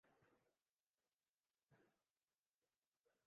তিনি বর্তমানে All Elite রেসলিং-এর সাথে যুক্ত।